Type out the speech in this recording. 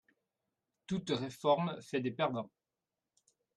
Toute réforme fait des perdants